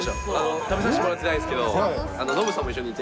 食べさせてもらってないですけど、のぶさんも一緒にいて。